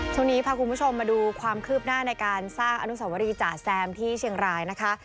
ช่วงนี้พาคุณผู้ชมมาดูความคืบหน้าในการสร้างอนุสวรีจ๋าแซมที่เชียงรายนะคะ